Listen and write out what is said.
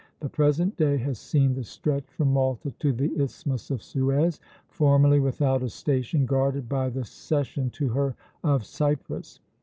The present day has seen the stretch from Malta to the Isthmus of Suez, formerly without a station, guarded by the cession to her of Cyprus.